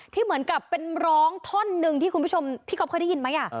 เหมือนกับเป็นร้องท่อนหนึ่งที่คุณผู้ชมพี่ก๊อฟเคยได้ยินไหม